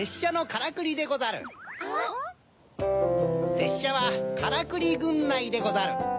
せっしゃはからくりぐんないでござる。